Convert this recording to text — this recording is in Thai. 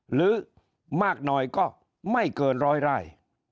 หรือมากหน่อยก็ไม่เกินร้อยไร่